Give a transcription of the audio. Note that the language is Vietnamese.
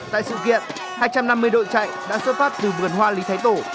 tại sự kiện hai trăm năm mươi đội chạy đã xuất phát từ vườn hoa lý thái tổ